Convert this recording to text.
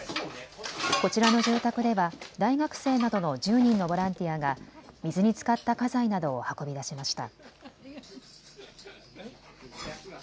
こちらの住宅では大学生などの１０人のボランティアが水につかった家財などを運び出しました。